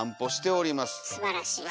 すばらしい。